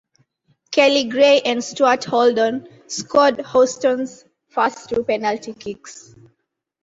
Kelly Gray and Stuart Holden scored Houston's first two penalty kicks.